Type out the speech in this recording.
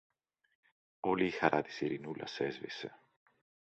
Όλη η χαρά της Ειρηνούλας έσβησε.